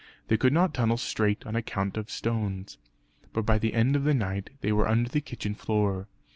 They could not tunnel straight on account of stones; but by the end of the night they were under the kitchen floor.